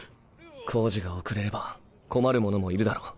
工事が遅れれば困る者もいるだろう。